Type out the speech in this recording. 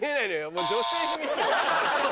もう女性に見える。